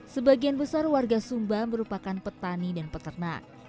sebagian besar warga sumba merupakan petani dan peternak